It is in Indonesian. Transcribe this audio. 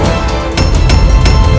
sakti di sekitarnya